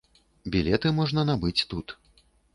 Білеты можна набыць тут.